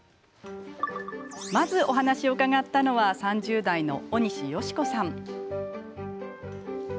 まず、お話を伺ったのは３０代の尾西芳子さん。